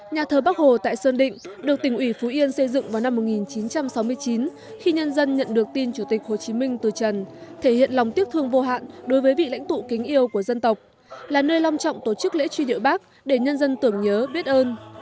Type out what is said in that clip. nhà thờ bắc hồ tại sơn định được tỉnh ủy phú yên xây dựng vào năm một nghìn chín trăm sáu mươi chín khi nhân dân nhận được tin chủ tịch hồ chí minh từ trần thể hiện lòng tiếc thương vô hạn đối với vị lãnh tụ kính yêu của dân tộc là nơi long trọng tổ chức lễ truy điệu bắc để nhân dân tưởng nhớ biết ơn